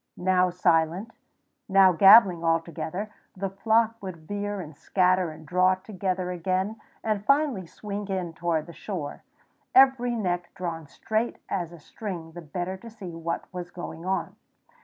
Now silent, now gabbling all together, the flock would veer and scatter and draw together again, and finally swing in toward the shore, every neck drawn straight as a string the better to see what was going on.